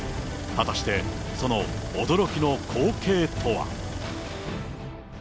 果たして、その驚きの光景とは。